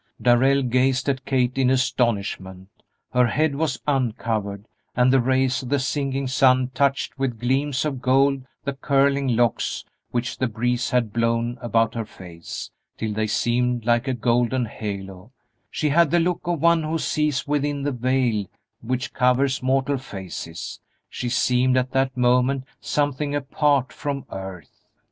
Darrell gazed at Kate in astonishment; her head was uncovered and the rays of the sinking sun touched with gleams of gold the curling locks which the breeze had blown about her face, till they seemed like a golden halo; she had the look of one who sees within the veil which covers mortal faces; she seemed at that moment something apart from earth.